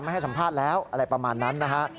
ให้สัมภาษณ์แล้วอะไรประมาณนั้นนะฮะ